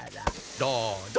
どうぞ！